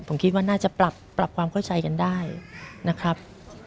ผมคิดว่าน่าจะปรับความเข้าใจกันได้นะครับ